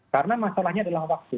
karena masalahnya adalah waktu